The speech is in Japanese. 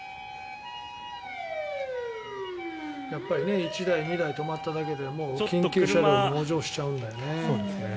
やっぱり１台、２台が止まっただけでもう緊急車両も立ち往生しちゃうんだよね。